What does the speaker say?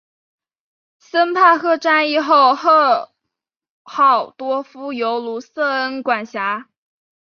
森帕赫战役后霍赫多夫由卢塞恩管辖。